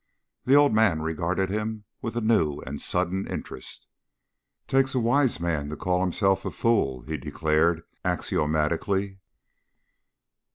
The old man regarded him with a new and sudden interest. "Takes a wise man to call himself a fool," he declared axiomatically.